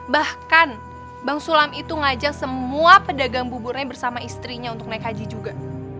bahkan bang sulam itu ngajak semua pedagang buburnya bersama istrinya untuk naik haji juga